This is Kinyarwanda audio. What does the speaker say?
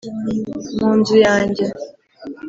mu nzu yanjye